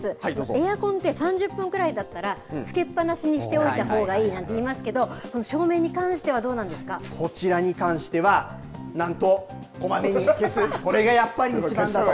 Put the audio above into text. エアコンって、３０分ぐらいだったらつけっぱなしにしておいたほうがいいなんていいますけど、照こちらに関しては、なんと、こまめに消す、それがやっぱり一番だと。